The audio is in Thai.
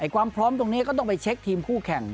ความพร้อมตรงนี้ก็ต้องไปเช็คทีมคู่แข่ง